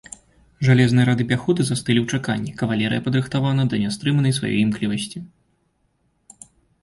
Жалезныя рады пяхоты застылі ў чаканні, кавалерыя падрыхтавана да нястрымнай сваёй імклівасці.